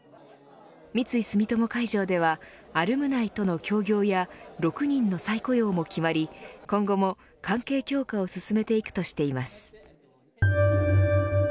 三井住友海上ではアルムナイとの協業や６人の再雇用も決まり今後も関係強化を進めていくとしています。